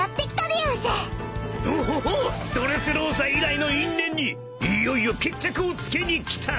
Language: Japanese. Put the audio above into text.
［おおドレスローザ以来の因縁にいよいよ決着をつけに来ただべな］